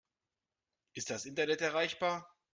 Ist das Internet erreichbar?